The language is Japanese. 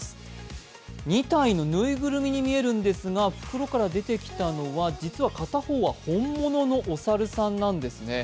２体の縫いぐるみに見えるんですが袋から出てきたのは、実は片方は本物のお猿さんなんですね。